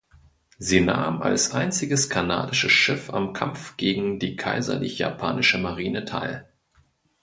Sie nahm als einziges kanadisches Schiff am Kampf gegen die Kaiserlich Japanische Marine teil.